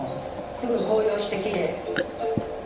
すごい紅葉してきれい。